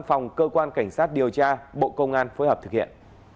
phòng cơ quan cảnh sát điều tra bộ công an phối hợp thực hiện